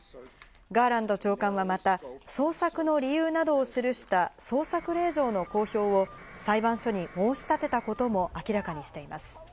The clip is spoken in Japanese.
ガーランド長官はまた捜索の理由などを記した捜索令状の公表を裁判所に申し立てたことも明らかにしています。